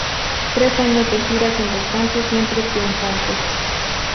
Tres años de gira sin descanso, siempre triunfantes.